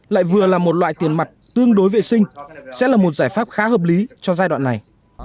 lại vừa là một loại tiền mặt tương đối vệ sinh sẽ là một giải pháp khá hợp lý cho giai đoạn này